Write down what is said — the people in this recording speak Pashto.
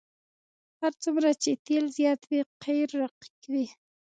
هر څومره چې تیل زیات وي قیر رقیق وي